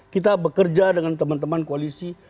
kita bekerja dengan teman teman koalisi